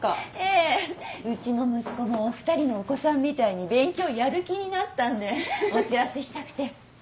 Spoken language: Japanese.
ええうちの息子もお２人のお子さんみたいに勉強やる気になったんでお知らせしたくて。